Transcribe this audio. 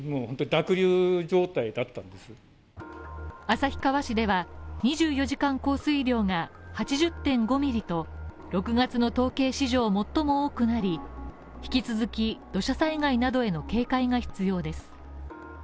旭川市では２４時間降水量が８０．５ミリと６月の統計史上最も多くなり引き続き土砂災害などへの警戒が必要です。